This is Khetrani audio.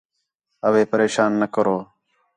اوے پریشان نہ کرو